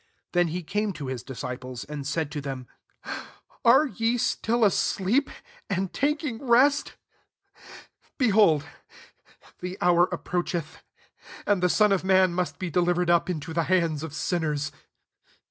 45 Then he came to his disciples, and said to them, " Are ye still asleep, and taking rest ? Behold ! the hour approacheth ; and the Son of man must be delivered up into the hands of sinners.